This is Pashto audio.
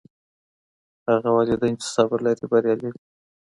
هغه والدین چي صبر لري بریالي دي.